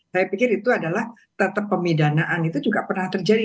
saya pikir itu adalah tetap pemidanaan itu juga pernah terjadi